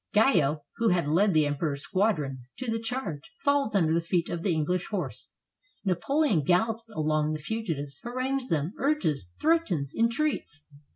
Guyot, who had led the Emperor's squadrons to the charge, falls under the feet of the EngUsh Horse. Napoleon gallops along the fugitives, harangues them, urges, threatens, entreats.